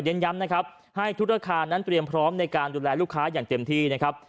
ย้ำนะครับให้ทุกอาคารนั้นเตรียมพร้อมในการดูแลลูกค้าอย่างเต็มที่นะครับ